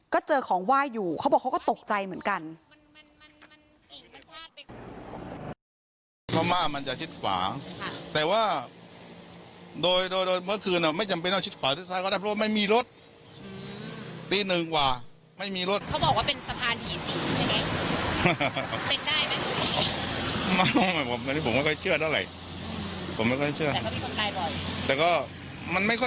ก็เจอของไหว้อยู่เขาบอกเขาก็ตกใจเหมือนกัน